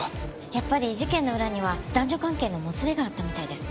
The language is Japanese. やっぱり事件の裏には男女関係のもつれがあったみたいです。